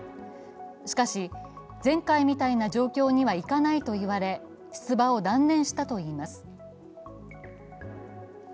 しかし前回みたいな状況にはいかないと言われ出馬を断念したといいます。